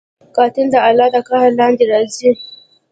قاتل د الله د قهر لاندې راځي